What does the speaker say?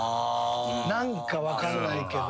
何か分からないけど。